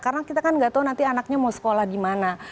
karena kita kan nggak tahu nanti anaknya mau sekolah dimana